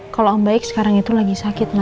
kalau om baik sekarang itu lagi sakit ma